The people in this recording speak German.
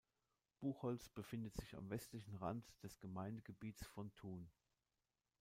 Buchholz befindet sich am westlichen Rand des Gemeindegebiets von Thun.